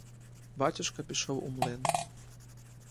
Батюшка пішов у млин.